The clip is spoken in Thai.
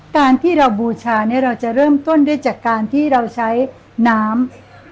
การที่เราบูชาเนี่ยเราจะเริ่มต้นด้วยจากการที่เราใช้น้ำ